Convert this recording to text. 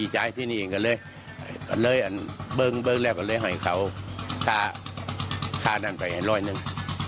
ใช่ก็เลยให้เป็นศิลป์นำใจเข้าไปอีกร้อยหนึ่ง